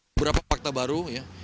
beberapa fakta baru